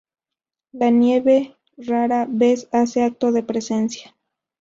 La nieve rara vez hace acto de presencia.